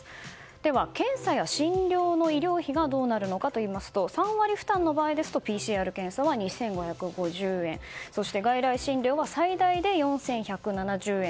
では、検査や診療の医療費はどうなるのかといいますと３割負担の場合ですとＰＣＲ検査の場合は２５５０円そして、外来診療は最大で４１７０円。